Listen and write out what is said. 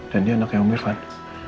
dan dia anaknya om irfan